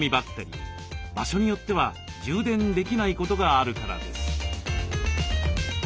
場所によっては充電できないことがあるからです。